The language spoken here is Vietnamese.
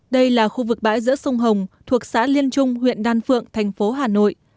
đây là khu vực bãi giữa sông hồng thuộc xã liên trung huyện đan phượng thành phố hà nội